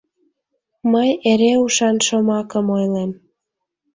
— Мый эре ушан шомакым ойлем.